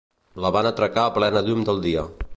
La van atracar a plena llum del dia.